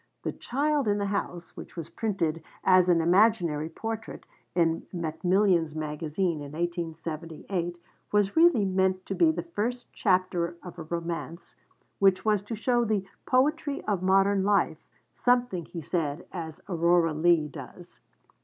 The Child in the House, which was printed as an Imaginary Portrait, in Macmillans Magazine in 1878, was really meant to be the first chapter of a romance which was to show 'the poetry of modern life,' something, he said, as Aurora Leigh does.